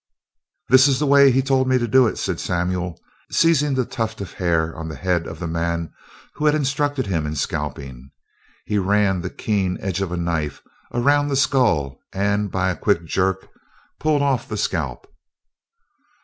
"This is the way he told me to do it," said Samuel, seizing the tuft of hair on the head of the man who had instructed him in scalping. He ran the keen edge of a knife around the skull and, by a quick jerk, pulled off the scalp.